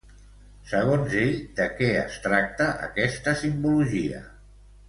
Segons ell, de què es tracta aquesta simbologia?